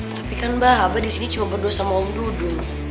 tapi kan mbah abah disini cuma berdua sama om dudu